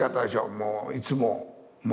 もういつも。